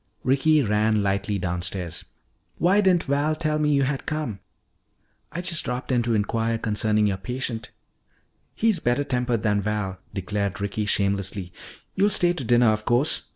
Ricky ran lightly downstairs. "Why didn't Val tell me you had come?" "I just dropped in to inquire concerning your patient." "He's better tempered than Val," declared Ricky shamelessly. "You'll stay to dinner of course.